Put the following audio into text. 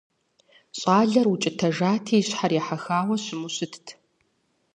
Щӏалэр укӀытэжати, и щхьэр ехьэхауэ щыму щытт.